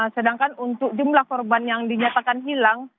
sedangkan untuk jumlah korban yang dinyatakan hilang